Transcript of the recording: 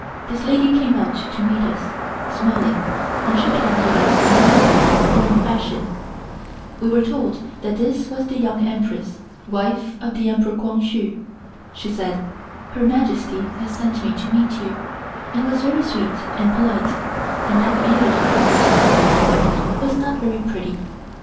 This lady came out to meet us, smiling, and shook hands with us in the most approved foreign fashion. We were told later that this was the Young Empress, wife of the Emperor Kwang Hsu. She said: "Her Majesty has sent me to meet you," and was very sweet and polite, and had beautiful manners; but was not very pretty.